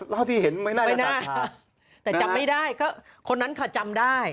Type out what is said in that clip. เท่าที่เห็นไม่น่าแต่จำไม่ได้ก็คนนั้นค่ะจำได้